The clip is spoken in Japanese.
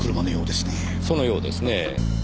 そのようですねぇ。